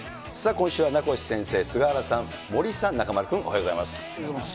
今週は名越先生、菅原さん、森さん、中丸君、おはようございます。